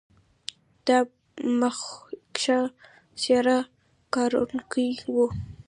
دا مخکښه څېره کارنګي و.